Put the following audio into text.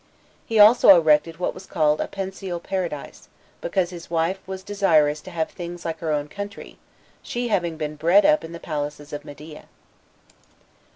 He also erected what was called a pensile paradise, because his wife was desirous to have things like her own country, she having been bred up in the palaces of Media."